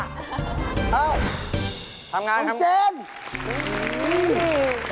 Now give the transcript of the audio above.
เอ้าของเจนทำงานครับโอ้โฮ